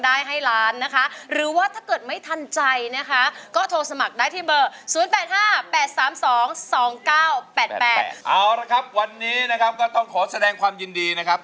เอาละครับวันนี้นะครับก็ต้องขอแสดงความยินดีนะครับ